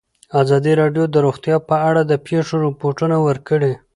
ازادي راډیو د روغتیا په اړه د پېښو رپوټونه ورکړي.